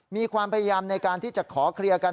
มีความพยายามในการที่จะขอเคลียร์กัน